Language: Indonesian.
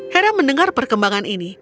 hera mendengar perkembangan ini